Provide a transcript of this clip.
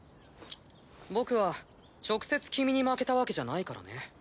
僕は直接君に負けたわけじゃないからね。